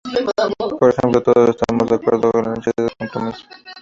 Por ejemplo: "Todos estamos de acuerdo en la necesidad del compromiso.